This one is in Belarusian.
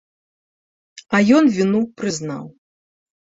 А ён віну прызнаў.